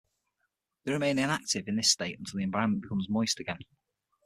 They remain inactive in this state until the environment becomes moist again.